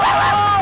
apa sih lagi